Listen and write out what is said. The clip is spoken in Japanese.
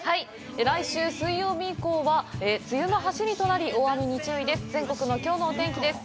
来週水曜日以降は、梅雨の走りとなり、大雨に注意です。